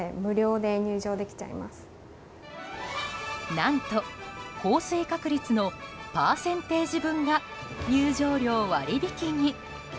何と、降水確率のパーセンテージ分が入場料割り引きに。